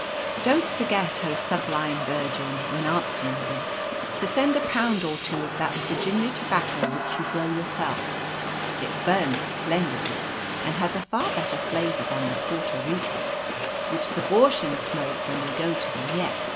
Don't forget, oh, sublime virgin! when answering this, to send a pound or two of that Virginia tobacco which you grow yourself. It burns splendidly, and has a far better flavour than the Porto Rico which the Bürschen smoke when they go to the Kneipe."